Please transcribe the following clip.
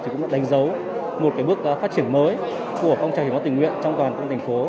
cũng đã đánh dấu một bước phát triển mới của công trạng hiến máu tình nguyện trong toàn thành phố